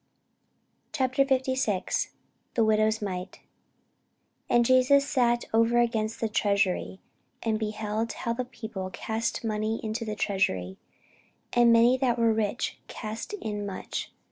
CHAPTER 56 THE WIDOW'S MITE [Sidenote: St. Mark 12] AND Jesus sat over against the treasury, and beheld how the people cast money into the treasury: and many that were rich cast in much.